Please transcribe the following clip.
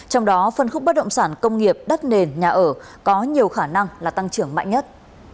trong đó phân khúc bất động sản công nghiệp đất nền nhà ở có nhiều khả năng là tăng trưởng mạnh nhất